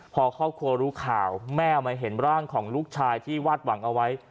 พอครอบครัวรู้ข่าวแม่มาเห็นร่างของลูกชายที่วาดหวังเอาไว้